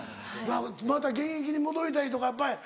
また現役に戻りたいとかやっぱり。